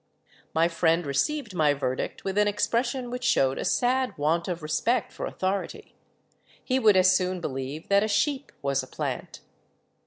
My friend received my ver dict with an expression which showed a sad want of re spect for authority. He would as soon believe that a sheep was a plant.